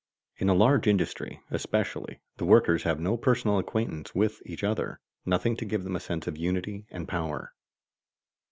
In a large industry, especially, the workers have no personal acquaintance with each other, nothing to give them a sense of unity and power.